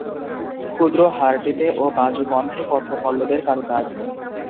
ক্ষুদ্র হারটিতে ও বাজুবন্ধে পত্রপল্লবের কারুকাজ।